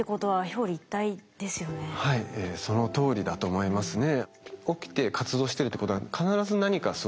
そのとおりだと思いますね。